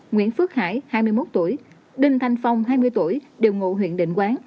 nguyễn phước hải hai mươi một tuổi đình thanh phong hai mươi tuổi điều ngộ huyện định quán